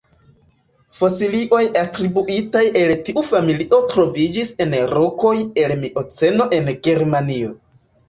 Fosilioj atribuitaj al tiu familio troviĝis en rokoj el la Mioceno en Germanio.